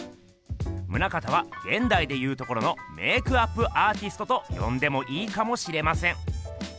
棟方はげんだいでいうところのメークアップアーティストとよんでもいいかもしれません。